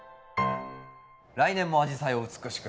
来年もアジサイを美しく咲かせたい。